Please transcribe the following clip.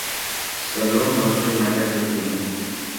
Să luăm măsuri în această privință.